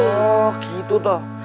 oh gitu tuh